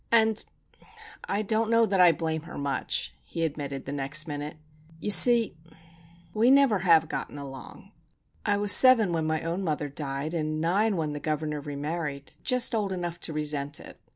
"And I don't know that I blame her much," he admitted, the next minute. "You see, we never have gotten along. I was seven when my own mother died, and nine when the governor remarried,—just old enough to resent it.